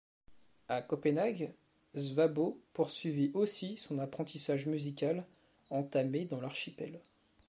À Copenhague, Svabo poursuivit aussi son apprentissage musical, entamé dans l'archipel.